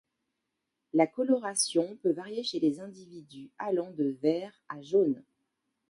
La coloration peut varier chez les individus allant de vert à jaune.